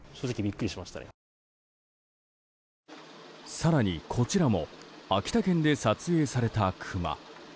更に、こちらも秋田県で撮影されたクマ。